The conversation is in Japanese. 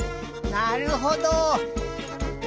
なるほど。